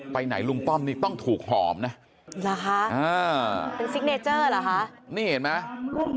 ไปไหนลุงป้อมนี่ต้องถูกหอมนะเหรอคะอ่าเป็นซิกเนเจอร์เหรอคะนี่เห็นไหม